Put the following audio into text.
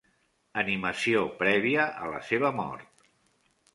Animació prèvia a la seva mort.